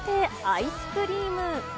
アイスクリーム。